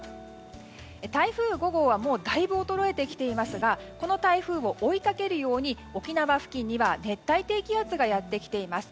台風５号はだいぶ衰えてきていますがこの台風を追いかけるように沖縄には熱帯低気圧がやってきています。